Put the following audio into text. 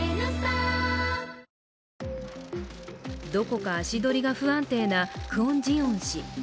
どこか足取りが不安定なクォン・ジヨン氏。